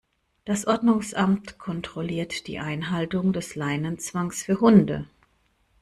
Das Ordnungsamt kontrolliert die Einhaltung des Leinenzwangs für Hunde.